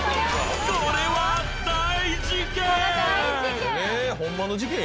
これは大事ケン！